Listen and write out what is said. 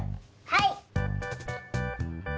はい！